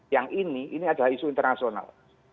yang ini ini adalah isu internasional